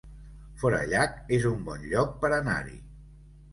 Forallac es un bon lloc per anar-hi